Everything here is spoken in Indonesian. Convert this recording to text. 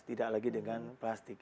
tidak lagi dengan plastik